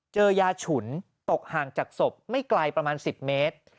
ยาฉุนตกห่างจากศพไม่ไกลประมาณ๑๐เมตร